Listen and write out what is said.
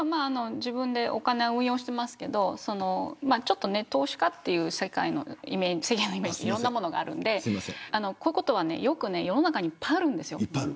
自分でお金を運用していますけれど投資家という世間のイメージいろんなものがあるのでこういうことは世の中にいっぱいあるんですよ。